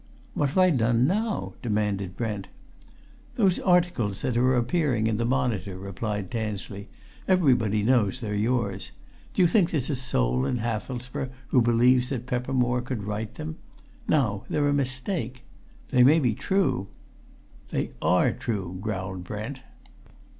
"What have I done now?" demanded Brent. "Those articles that are appearing in the Monitor," replied Tansley. "Everybody knows they're yours. Do you think there's a soul in Hathelsborough who believes that Peppermore could write them? Now, they're a mistake! They may be true " "They are true!" growled Brent.